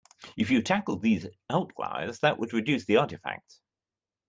If you tackled these outliers that would reduce the artifacts.